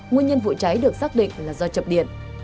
nguyên nhân vụ cháy được xác định là do chập điện